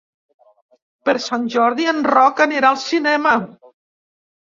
Per Sant Jordi en Roc anirà al cinema.